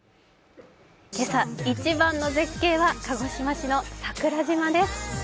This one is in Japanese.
今朝、一番の絶景は鹿児島市の桜島です。